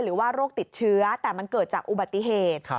โรคติดเชื้อแต่มันเกิดจากอุบัติเหตุ